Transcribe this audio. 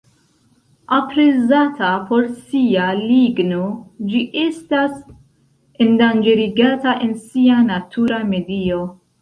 Aprezata por sia ligno, ĝi estas endanĝerigata en sia natura medio.